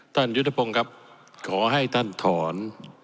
ท่านยุทธพงศ์ครับขอให้ท่านถอน